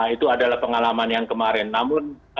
itu adalah pengalaman yang kemarin namun